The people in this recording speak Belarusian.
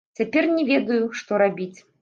Цяпер не ведаю, што рабіць.